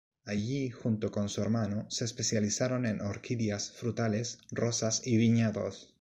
Allí, junto con su hermano, se especializaron en orquídeas, frutales, rosas y viñedos.